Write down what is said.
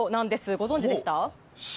ご存じでした？